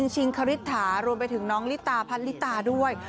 ชิงคริถารวมไปถึงน้องลิตาพัดลิตาด้วย